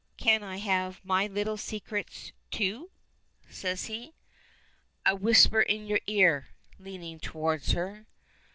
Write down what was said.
I Can have my little secrets, too," says he. "A whisper in your ear," leaning toward her.